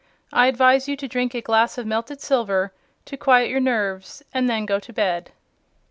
I advise you to drink a glass of melted silver, to quiet your nerves, and then go to bed."